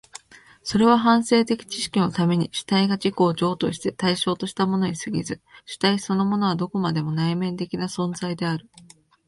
それは反省的知識のために主体が自己を譲渡して対象としたものに過ぎず、主体そのものはどこまでも内面的な存在である。